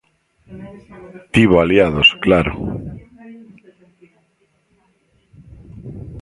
Tivo aliados, claro.